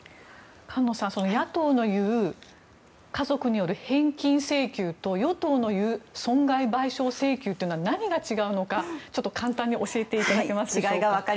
菅野さん、野党の言う家族による返金請求と与党の言う損害賠償請求は何が違うのか簡単に教えていただけますでしょうか。